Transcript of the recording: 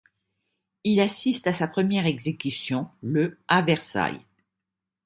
Il assiste à sa première exécution, le à Versailles.